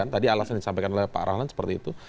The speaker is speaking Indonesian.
tadi alasan yang disampaikan oleh pak rahlan seperti itu